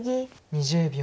２０秒。